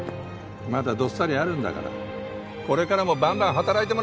まだどっさりあるんだからこれからもバンバン働いてもらうわよ！